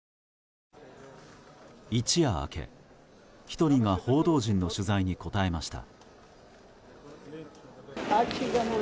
一夜明け、１人が報道陣の取材に答えました。